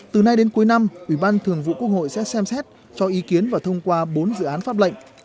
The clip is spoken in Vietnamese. từ nay đến cuối năm ủy ban thường vụ quốc hội sẽ xem xét cho ý kiến và thông qua bốn dự án pháp lệnh